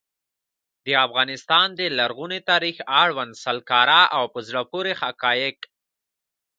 د افغانستان د لرغوني تاریخ اړوند سل کره او په زړه پوري حقایق.